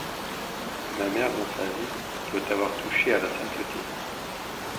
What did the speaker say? Ma mère dans sa vie doit avoir touché à la sainteté.